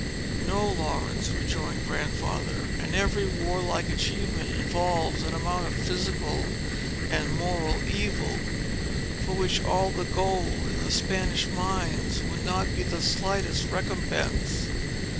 "No, Laurence," rejoined Grandfather; "and every warlike achievement involves an amount of physical and moral evil, for which all the gold in the Spanish mines would not be the slightest recompense.